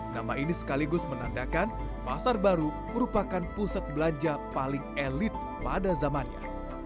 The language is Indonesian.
nama ini sekaligus menandakan pasar baru merupakan pusat belanja paling elit pada zamannya